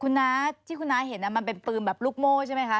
คุณน้าที่คุณน้าเห็นมันเป็นปืนแบบลูกโม่ใช่ไหมคะ